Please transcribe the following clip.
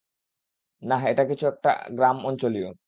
নাহ, এটা কিছুটা গ্রাম অঞ্চলিয়।